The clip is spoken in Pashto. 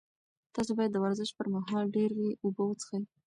تاسي باید د ورزش پر مهال ډېرې اوبه وڅښئ.